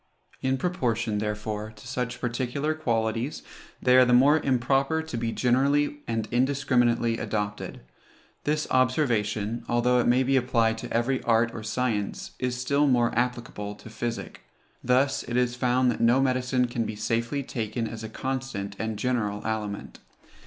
In proportion, therefore, to such particular qualities, they are the more improper to be generally and indiscriminately adopted. This observation, although it may be applied to every art or science, is still more applicable to physic. Thus is it found that no medicine can be safely taken as a constant and general aliment.